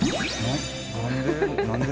何で？